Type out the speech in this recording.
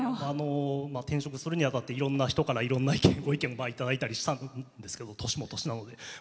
転職するにあたっていろんな人からいろんなご意見いただいたりしたんですけど年も年なので。